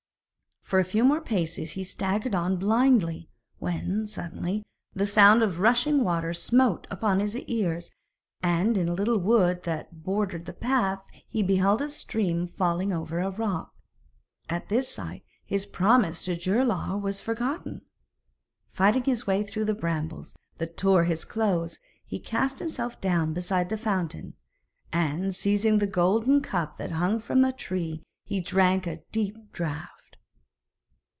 For a few more paces he staggered on blindly, when, suddenly, the sound of rushing water smote upon his ears; and in a little wood that bordered the path he beheld a stream falling over a rock. At this sight his promise to Geirlaug was forgotten. Fighting his way through the brambles that tore his clothes, he cast himself down beside the fountain, and seizing the golden cup that hung from a tree, he drank a deep draught.